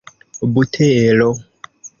butero